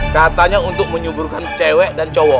katanya untuk menyuburkan cewek dan cowok